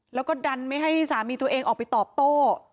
แล้วก็ดันไม่ให้สามีตัวเองออกไปตอบโต้